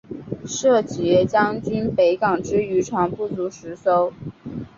设籍将军北港之渔船不足十艘。